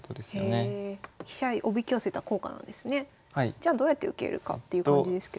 じゃあどうやって受けるかっていう感じですけど。